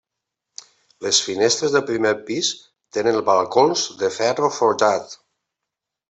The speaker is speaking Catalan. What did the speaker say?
Les finestres del primer pis tenen balcons de ferro forjat.